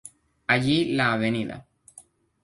Allí la Av.